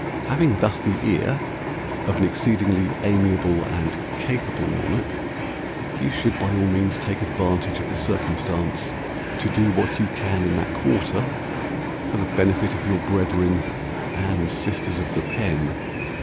Having thus the ear Of an exceedingly amiable and capable Monarch, You should by all means Take advantage of the circumstance To do what you can in that quarter For the benefit of your brethren and sisters of the pen.